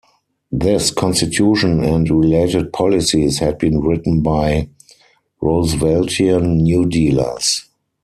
This constitution and related policies had been written by Rooseveltian New-Dealers.